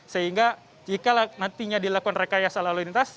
sehingga jika nantinya dilakukan rekayasa lalu lintas